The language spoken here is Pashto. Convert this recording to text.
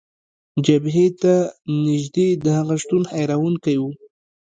جبهې ته نژدې د هغه شتون، حیرانونکی و.